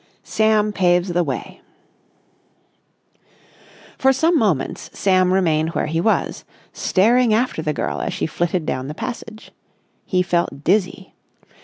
SAM PAVES THE WAY For some moments Sam remained where he was, staring after the girl as she flitted down the passage. He felt dizzy.